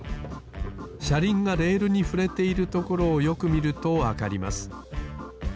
しゃりんがレールにふれているところをよくみるとわかります。